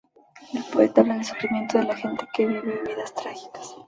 El poeta habla del sufrimiento de la gente que vive vidas trágicas.